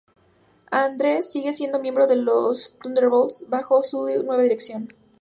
Andreas sigue siendo miembro de los Thunderbolts bajo su nueva dirección.